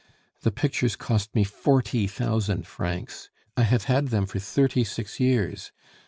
The pictures cost me forty thousand francs. I have had them for thirty six years....